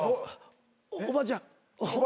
おばちゃん。